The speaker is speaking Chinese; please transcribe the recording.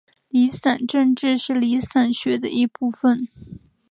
离散政治是离散学的一部份。